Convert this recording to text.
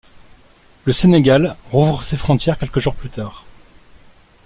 Le Sénégal rouvre ses frontières quelques jours plus tard.